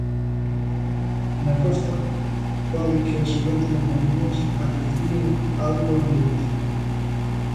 Na costa, pode que as brétemas mariñas arrefríen algo o ambiente.